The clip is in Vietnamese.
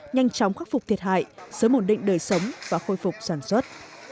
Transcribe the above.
nhanh chóng khắc phục thiệt hại giới môn định đời sống và khôi phục sản xuất